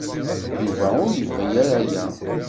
Yuba ur yebɣi ara aya.